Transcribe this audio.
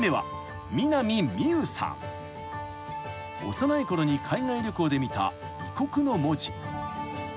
［幼いころに海外旅行で見た異国の文字］